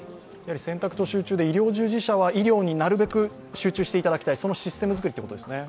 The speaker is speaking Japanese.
選択と集中で医療従事者は医療になるべく集中していただきたい、そのシステム作りということですね。